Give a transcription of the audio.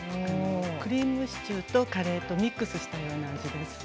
クリームシチューとカレーとミックスしたような味です。